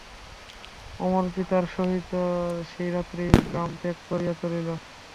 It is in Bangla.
অমর পিতার সহিত সেই রাত্রেই গ্রাম ত্যাগ করিয়া চলিল।